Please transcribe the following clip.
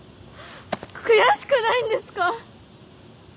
悔しくないんですか？